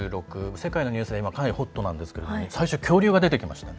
世界のニュースではかなりホットなんですけども最初、恐竜が出てきましたね。